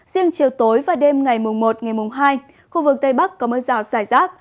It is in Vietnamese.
riêng chiều tối và đêm ngày một ngày mùng hai khu vực tây bắc có mưa rào rải rác